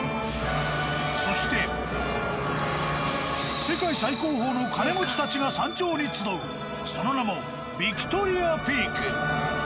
そして世界最高峰の金持ちたちが山頂に集うその名もヴィクトリアピーク。